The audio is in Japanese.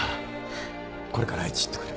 これから愛知行ってくる